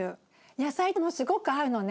野菜ともすごく合うのね。